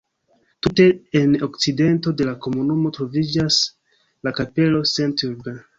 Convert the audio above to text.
Tute en okcidento de la komunumo troviĝas la kapelo St-Urbain.